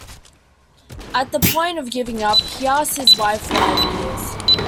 At the point of giving up, he asked his wife for ideas.